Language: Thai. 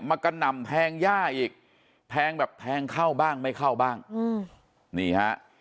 กระหน่ำแทงย่าอีกแทงแบบแทงเข้าบ้างไม่เข้าบ้างอืมนี่ฮะ